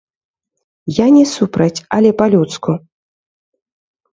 Я не супраць, але па-людску.